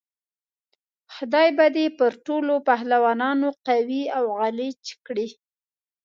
خدای به دې پر ټولو پهلوانانو قوي او غلیچ کړي.